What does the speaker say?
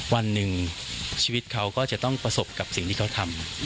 วันหนึ่งชีวิตเขาก็จะต้องประสบกับสิ่งที่เขาทำ